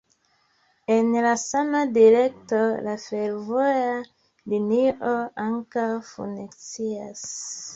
En la sama direkto, la fervoja linio ankaŭ funkcias.